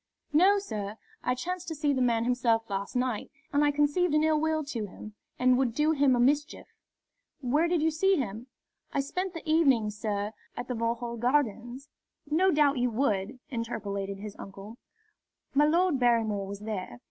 "No, sir. I chanced to see the man himself last night, and I conceived an ill will to him, and would do him a mischief." "Where did you see him?" "I spent the evening, sir, at the Vauxhall Gardens." "No doubt you would," interpolated his uncle. "My Lord Barrymore was there.